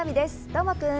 どーもくん！